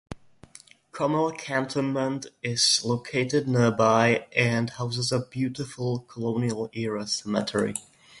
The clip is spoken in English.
Comilla Cantonment is located nearby and houses a beautiful colonial era cemetery.